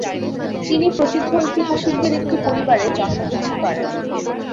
তিনি প্রসিদ্ধ ঐতিহাসিকদের একটি পরিবারে জন্মগ্রহণ করেন।